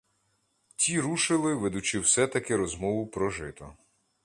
Ті рушили, ведучи все-таки розмову про жито.